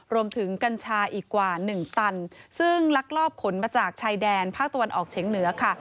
กัญชาอีกกว่าหนึ่งตันซึ่งลักลอบขนมาจากชายแดนภาคตะวันออกเฉียงเหนือค่ะ